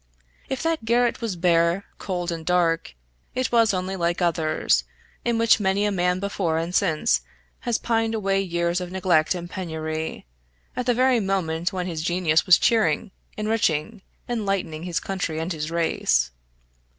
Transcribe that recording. If that garret was bare, cold, and dark, it was only like others, in which many a man before and since has pined away years of neglect and penury, at the very moment when his genius was cheering, enriching, enlightening his country and his race.